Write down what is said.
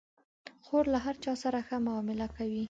خور له هر چا سره ښه معامله کوي.